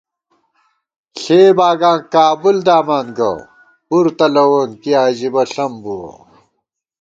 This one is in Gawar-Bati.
ݪےباگاں کابُل دامان گہ، پُر تلَوون کی عجِبہ ݪم بُوَہ